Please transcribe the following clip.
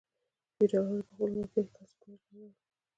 فیوډالانو په خپل مالکیت کې کسبګر لرل.